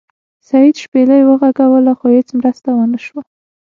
سید شپیلۍ وغږوله خو هیڅ مرسته ونه شوه.